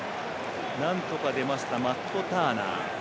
なんとか出ましたマット・ターナー。